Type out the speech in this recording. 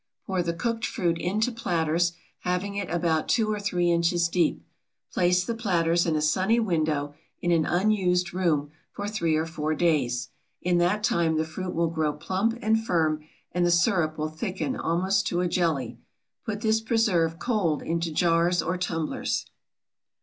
Pour the cooked fruit into platters, having it about 2 or 3 inches deep. Place the platters in a sunny window, in an unused room, for three or four days. In that time the fruit will grow plump and firm, and the sirup will thicken almost to a jelly. Put this preserve, cold, into jars or tumblers.